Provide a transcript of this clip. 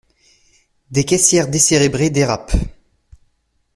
Des caissières décérébrées dérapent!